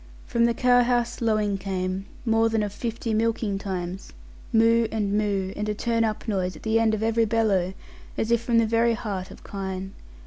From the cowhouse lowing came, more than of fifty milking times; moo and moo, and a turn up noise at the end of every bellow, as if from the very heart of kine.